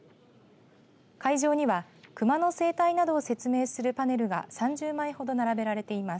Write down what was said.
会場にはクマの生態などを説明するパネルが３０枚ほど並べられています。